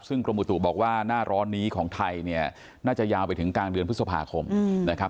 ซึ่งกรมอุตุบอกว่าหน้าร้อนนี้ของไทยเนี่ยน่าจะยาวไปถึงกลางเดือนพฤษภาคมนะครับ